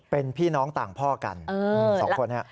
เป็นพี่น้องต่างพ่อกัน๒คนครับ